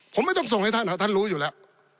ผมไม่ต้องส่งให้ท่านครับท่านรู้อยู่แล้ว